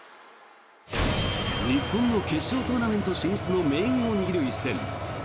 日本の決勝トーナメント進出の命運を握る一戦。